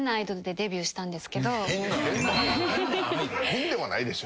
変ではないでしょ。